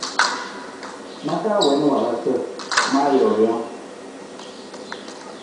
Ma ka wiin warasa, ma ka joo rijang.